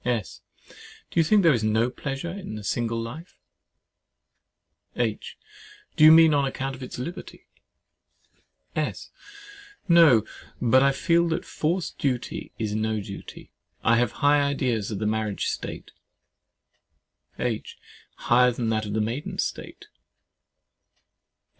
S. Do you think there is no pleasure in a single life? H. Do you mean on account of its liberty? S. No, but I feel that forced duty is no duty. I have high ideas of the married state! H. Higher than of the maiden state?